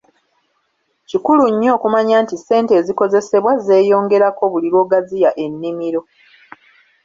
Kikulu nnyo okumanya nti ssente ezikozesebwa zeeyongerako buli lw’ogaziya ennimiro.